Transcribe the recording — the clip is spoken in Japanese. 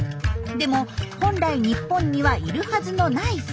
でも本来日本にはいるはずのないサル。